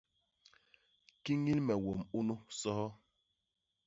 Kiñil me wom unu, soho!